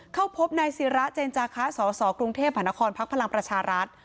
เข้าพบนายศิราเจนจาคะสสกรุงเทพฯหานครพักพลังประชารัฐ